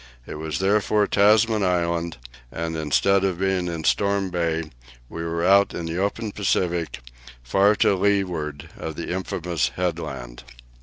It was therefore Tasman Island, and instead of being in Storm Bay, we were out in the open Pacific, far to leeward of the infamous headland.